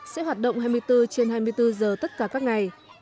sẽ hoạt động hai mươi bốn trên hai mươi bốn giờ tất cả các ngày